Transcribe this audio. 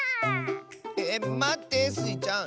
えまってスイちゃん！